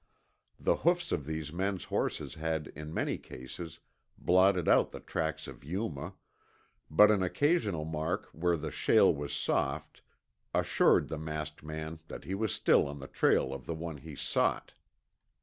The hoofs of these men's horses had in many cases blotted out the tracks of Yuma, but an occasional mark where the shale was soft assured the masked man that he was still on the trail of the one he sought.